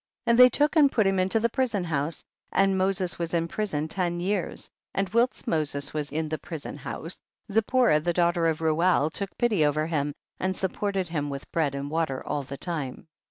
23. And they took and put him into the prison house, and Moses was in prison ten years, and whilst Moses was in the prison house, Zip porah the daughter of Reuel took pity over him, and supported him with bread and water all the time.